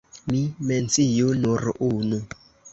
Mi menciu nur unu.